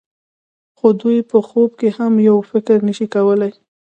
خو دوی په خوب کې هم یو فکر نشي کولای.